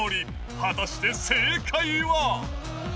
果たして正解は。